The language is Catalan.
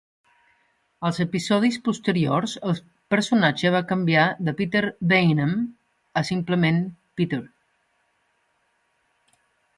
Als episodis posteriors, el personatge va canviar de 'Peter Baynham' a simplement 'Peter'.